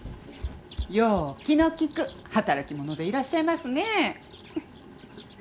よう気の利く働き者でいらっしゃいますねえ。